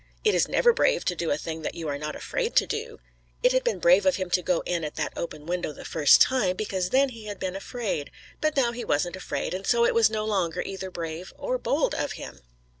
It is never brave to do a thing that you are not afraid to do. It had been brave of him to go in at that open window the first time, because then he had been afraid, but now he wasn't afraid, and so it was no longer either brave or bold of him.